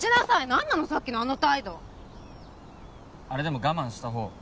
何なのさっきのあの態度あれでも我慢した方